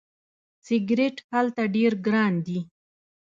سیګرټ هلته ډیر ګران دي.